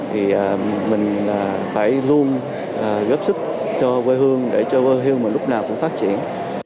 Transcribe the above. thì mình phải luôn góp sức cho quê hương để cho quê hương mà lúc nào cũng phát triển